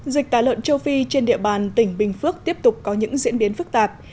dịch tả lợn châu phi trên địa bàn tỉnh bình phước tiếp tục có những diễn biến phức tạp